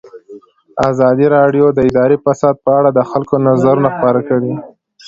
ازادي راډیو د اداري فساد په اړه د خلکو نظرونه خپاره کړي.